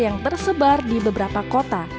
yang tersebar di beberapa kota